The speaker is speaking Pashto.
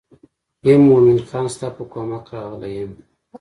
یم مومن خان ستا په کومک راغلی یم.